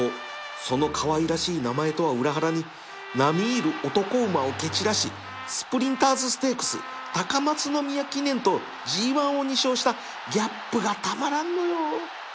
そのかわいらしい名前とは裏腹に並み居る男馬を蹴散らしスプリンターズステークス高松宮記念と ＧⅠ を２勝したギャップがたまらんのよ